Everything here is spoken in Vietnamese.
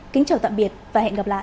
kính chào tạm biệt và hẹn gặp lại